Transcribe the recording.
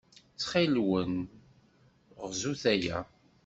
Ttxil-wen, gzut aya.